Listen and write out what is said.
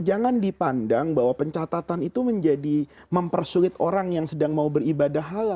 jangan dipandang bahwa pencatatan itu menjadi mempersulit orang yang sedang mau beribadah halal